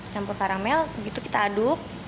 campur karamel begitu kita aduk